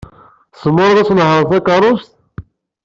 Tzemred ad tnehṛed takeṛṛust?